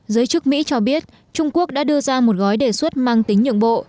giới chức mỹ cho biết trung quốc đã đưa ra một gói đề xuất mang tính nhượng bộ